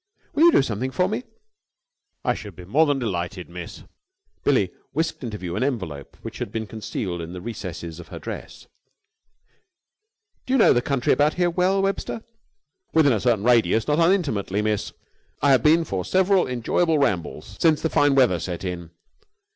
"Will you do something for me?" "I should be more than delighted, miss." Billie whisked into view an envelope which had been concealed in the recesses of her dress. "Do you know the country about here, well, Webster?" "Within a certain radius, not unintimately, Miss. I have been for several enjoyable rambles since the fine weather set in."